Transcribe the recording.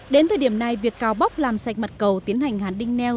đến thời điểm này việc cào bóc làm sạch mặt cầu tiến hành hàn đinh neo